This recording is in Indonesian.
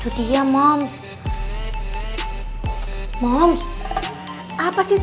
sudi itu umur p direct